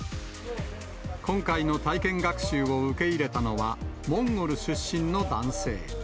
今回の体験学習を受け入れたのは、モンゴル出身の男性。